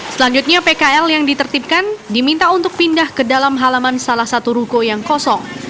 selanjutnya pkl yang ditertibkan diminta untuk pindah ke dalam halaman salah satu ruko yang kosong